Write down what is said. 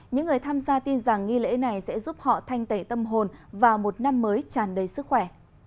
những người tham gia tin rằng nghi lễ này sẽ giúp họ thanh tẩy tâm hồn vào một năm mới tràn đầy sức khỏe